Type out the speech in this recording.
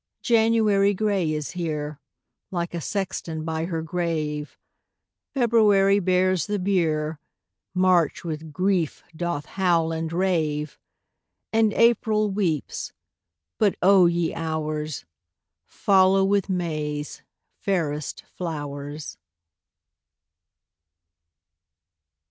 4. January gray is here, Like a sexton by her grave; _20 February bears the bier, March with grief doth howl and rave, And April weeps but, O ye Hours! Follow with May's fairest flowers.